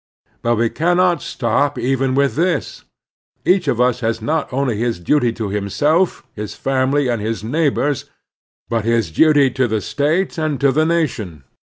But we cannot stop even with this. Each of us has not only his duty to himself, his family, and his neighbors, but his duty to the 346 The Strenuous Life State and to the nation.